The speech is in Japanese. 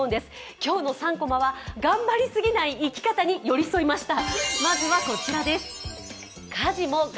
今日の「３コマ」は頑張りすぎない生き方に寄り添いました。